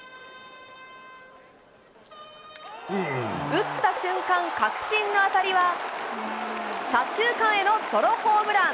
打った瞬間、確信の当たりは、左中間へのソロホームラン。